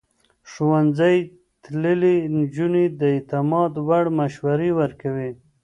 ښوونځی تللې نجونې د اعتماد وړ مشورې ورکوي.